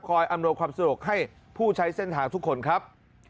อำนวยความสะดวกให้ผู้ใช้เส้นทางทุกคนครับ